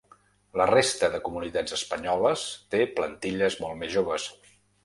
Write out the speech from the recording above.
La resta de comunitats espanyoles té plantilles molt més joves.